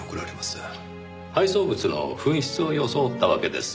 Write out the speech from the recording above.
配送物の紛失を装ったわけです。